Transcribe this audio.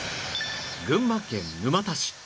群馬県沼田市